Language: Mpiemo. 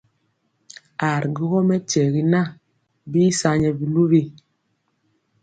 Aa ri gwogɔ mɛkyɛri na bii sa nyɛ biluwi.